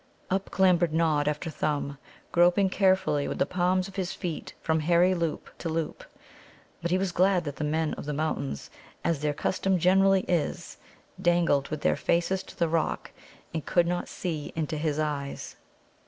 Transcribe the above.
Up clambered Nod after Thumb, groping carefully with the palms of his feet from hairy loop to loop. But he was glad that the Men of the Mountains, as their custom generally is, dangled with their faces to the rock, and could not see into his eyes.